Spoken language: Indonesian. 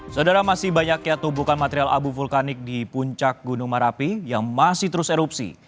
sedara masih banyak keatubukan material abu vulkanik di puncak gunung marapi yang masih terus erupsi